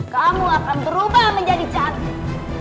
kamu akan berubah menjadi cantik